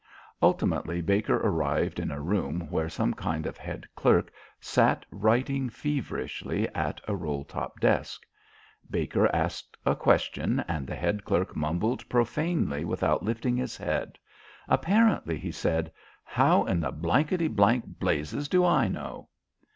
Ultimately Baker arrived in a room where some kind of head clerk sat writing feverishly at a roll top desk. Baker asked a question, and the head clerk mumbled profanely without lifting his head. Apparently he said: "How in the blankety blank blazes do I know?"